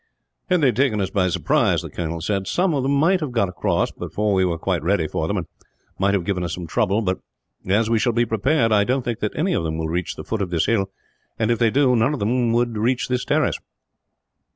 "Had they taken us by surprise," the colonel said, "some of them might have got across, before we were quite ready for them, and might have given us some trouble but, as we shall be prepared, I don't think that any of them will reach the foot of this hill and, if they did, none of them would reach this terrace.